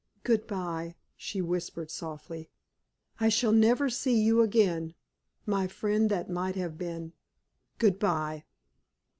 "Good bye!" she whispered, softly. "I shall never see you again my friend that might have been. Good bye!"